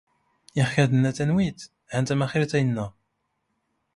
ⵉⵖ ⴽⴰ ⵜⵍⵍⴰ ⵜⴰⵍⵡⵉⵜ ⵀⴰⵏ ⵜⴰⵎⴰⵅⵉⵔⵜ ⴰⵢⵏⵏⴰ.